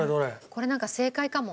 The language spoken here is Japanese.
これなんか正解かも。